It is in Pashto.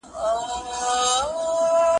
ته لږ راښه شه، دا د نورو د جواب جنګ دی